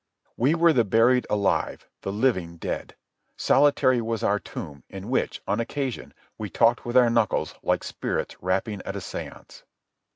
We were the buried alive, the living dead. Solitary was our tomb, in which, on occasion, we talked with our knuckles like spirits rapping at a séance.